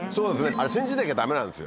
あれ信じなきゃダメなんですよ。